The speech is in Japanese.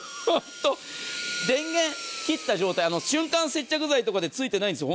電源切った状態、瞬間接着剤とかでついてないんですよ。